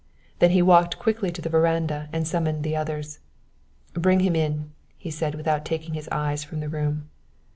Then he walked quickly to the veranda and summoned the others. "Bring him in!" he said, without taking his eyes from the room.